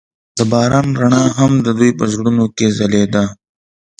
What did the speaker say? د باران رڼا هم د دوی په زړونو کې ځلېده.